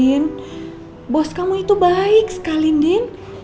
din bos kamu itu baik sekali nin